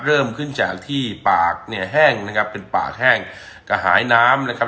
เริ่มขึ้นจากที่ปากเนี่ยแห้งนะครับเป็นปากแห้งกระหายน้ำนะครับ